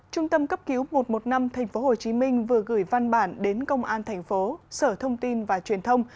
trung tâm cấp cứu một trăm một mươi năm tp hcm vừa gửi văn bản đến công an thành phố sở thông tin và truyền thông